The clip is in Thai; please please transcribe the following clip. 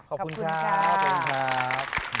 ขอบคุณครับ